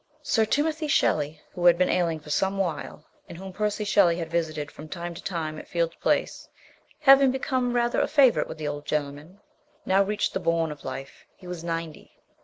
Sir Timothy Shelley, who had been ailing for some while, and whom Percy Shelley had visited from time to time at Field Place, having become rather a favourite with the old gentleman, now reached the bourne of life he was ninety.